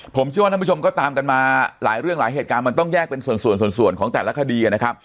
ผมเชื่อว่าท่านผู้ชมก็ตามกันมาหลายเรื่องหลายเหตุการณ์มันต้องแยกเป็นส่วนส่วนของแต่ละคดีนะครับ